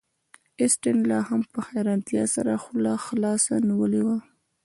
اسټین لاهم په حیرانتیا سره خوله خلاصه نیولې وه